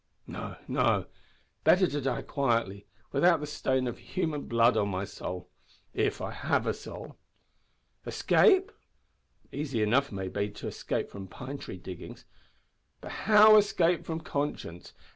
No, no! Better to die quietly, without the stain of human blood on my soul if I have a soul. Escape! Easy enough, maybe, to escape from Pine Tree Diggings; but how escape from conscience?